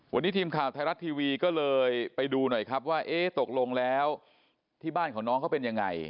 วันนี้ทีมข่าวไทยรัฐทีวีก็เลยไปดูหน่อยครับว่าเอ๊ะตกลงแล้วที่บ้านของน้องเขาเป็นยังไง